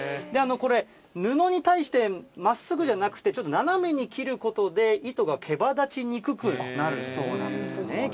これ、布に対してまっすぐじゃなくて、ちょっと斜めに切ることで、糸がけばだちにくくなるそうなんですね。